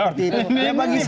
putin yang komunis gitu lah